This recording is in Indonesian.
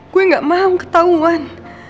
gue gak mau ketauan